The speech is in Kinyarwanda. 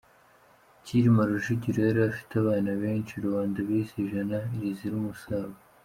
Cyilima Rujugira yari afite abana benshi, rubanda bise ijana rizira umusago.